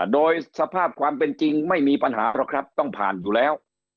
โดยสภาพความเป็นจริงไม่มีปัญหาหรอกครับต้องผ่านอยู่แล้ว